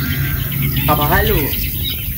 Aber hallo!